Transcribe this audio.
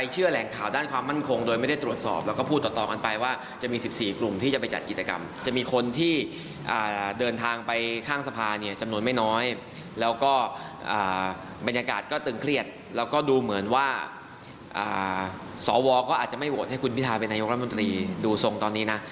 เหมือนว่าสวอาจจะไม่โหวตให้คุณพิทาเป็นนายกรมดรีดูทรงตอนนี้นะ